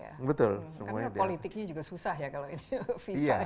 karena politiknya juga susah ya kalau ini